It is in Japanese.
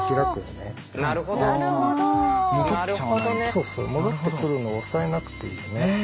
そうそう戻ってくるのを押さえなくていい。